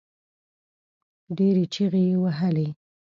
ډېرې چيغې يې وهلې.